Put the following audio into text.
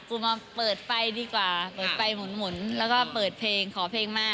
มาเปิดไฟดีกว่าเปิดไฟหมุนแล้วก็เปิดเพลงขอเพลงมา